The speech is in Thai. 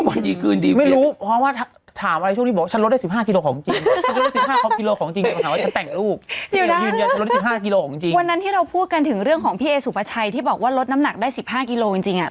วันนี้คืออันดีเวียกไม่รู้เพราะว่าถามอะไรช่วงนี้บอกว่าฉันลดได้สิบห้ากิโลของจริง